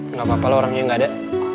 nggak apa apa lah orangnya nggak ada